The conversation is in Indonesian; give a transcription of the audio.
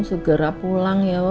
reina asgara pasti nunggu saya di rumah